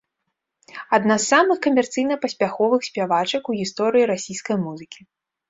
Адна з самых камерцыйна паспяховых спявачак у гісторыі расійскай музыкі.